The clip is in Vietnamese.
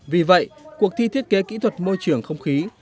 vì vậy cuộc thi thiết kế kỹ thuật môi trường không khí